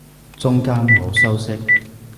中間冇修飾